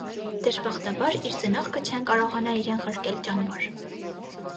Դժբախտաբար իր ծնողքը չեն կարողանար իրեն ղրկել ճամբար։